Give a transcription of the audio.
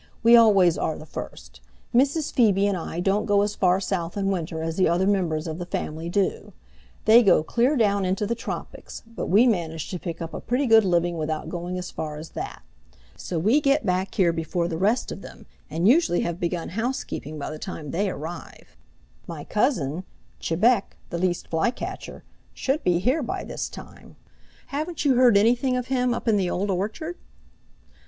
"We always are the first. Mrs. Phoebe and I don't go as far south in winter as the other members of the family do. They go clear down into the Tropics, but we manage to pick up a pretty good living without going as far as that. So we get back here before the rest of them, and usually have begun housekeeping by the time they arrive. My cousin, Chebec the Least Flycatcher, should be here by this time. Haven't you heard anything of him up in the Old Orchard?"